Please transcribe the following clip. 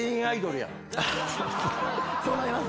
そうなりますね。